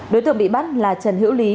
đối tượng bị bắt là trần hiễu lý